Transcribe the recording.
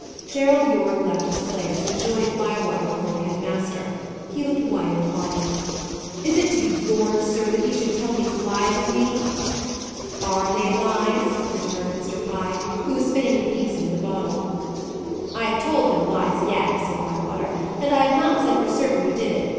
Gerald Yorke left his place, and joined Bywater before the head master. He looked white and haughty. "Is it to be borne, sir, that he should tell these lies of me?" "Are they lies?" returned Mr. Pye, who was fitting the piece into the bottle. "I have told no lies yet," said Bywater. "And I have not said for certain you did it.